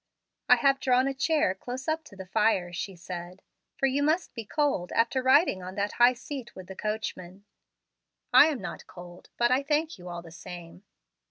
"I have drawn a chair close up to the fire," she said, "for you must be cold after riding on that high seat with the coachman." "I am not cold, but I thank you all the same."